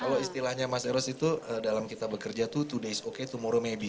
kalau istilahnya mas eros itu dalam kita bekerja tuh today is okay tomorrow maybe